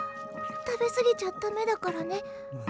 食べ過ぎちゃ駄目だからね。